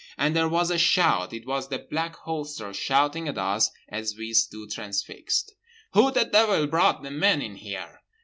And there was a shout—it was the Black Holster shouting at us as we stood transfixed— "Who the devil brought the men in here?